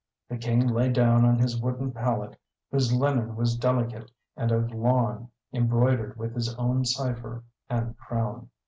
The King lay down on his wooden pallet, whose linen was delicate and of lawn, embroidered with his own cipher and crown.